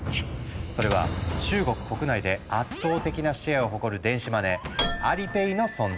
それは中国国内で圧倒的なシェアを誇る電子マネー「Ａｌｉｐａｙ」の存在。